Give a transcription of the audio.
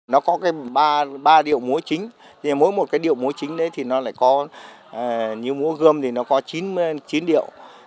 nó có cái ba điệu múa chính mỗi một cái điệu múa chính đấy thì nó lại có như múa gươm thì nó có chín điệu